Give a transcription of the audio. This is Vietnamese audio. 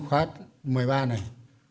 khóa một mươi ba này